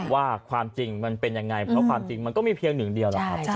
ว่าความจริงมันเป็นยังไงเพราะความจริงมันก็มีเพียงหนึ่งเดียวหรอกครับ